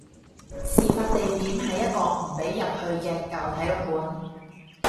事發地點係一個唔俾入去嘅舊體育館